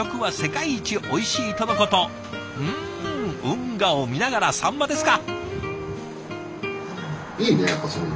うん運河を見ながらサンマですか。